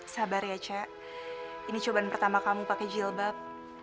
sabar ya c ini cobaan pertama kamu pake jilbab